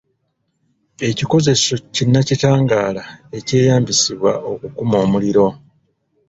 Ekikozeso kinnakitangaala ekyeyambisibwa okukuma omuliro.